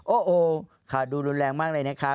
โอ้โหค่ะดูรุนแรงมากเลยนะคะ